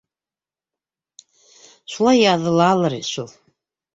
— Шулай яҙылалар шул.